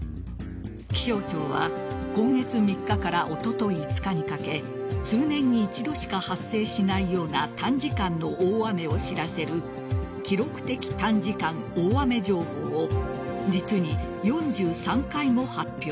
気象庁は今月３日からおととい５日にかけ数年に一度しか発生しないような短時間の大雨を知らせる記録的短時間大雨情報を実に４３回も発表。